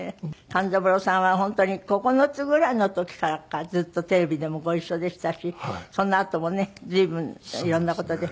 勘三郎さんは本当に９つぐらいの時からかずっとテレビでもご一緒でしたしそのあともね随分色んな事で。